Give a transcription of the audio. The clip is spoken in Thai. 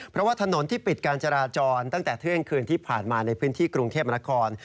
เพราะว่าถนนที่ปิดการจราจรตั้งแต่เที่ยงคืนที่ผ่านมาในพื้นที่กรุงเทพมนาคม